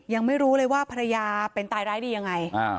ยังไม่รู้เลยว่าภรรยาเป็นตายร้ายดียังไง